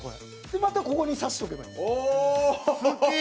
また、ここに挿しとけばいい。